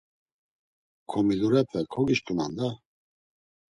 Komilurepe, kogişǩunan da!